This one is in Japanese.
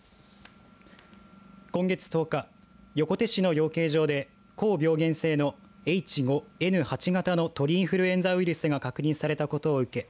今月１０日、横手市の養鶏場で高病原性のＨ５Ｎ８型の鳥インフルエンザウイルスが確認されたことを受け